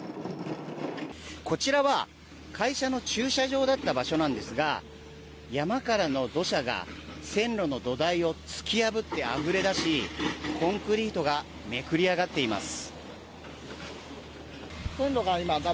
こちらは、会社の駐車場だった場所なんですが山からの土砂が線路の土台を突き破ってあふれ出しコンクリートがめくり上がっています。